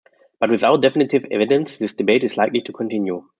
But without definitive evidence, this debate is likely to continue.